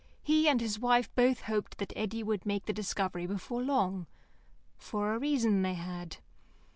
He and his wife both hoped that Eddy would make this discovery before long, for a reason they had.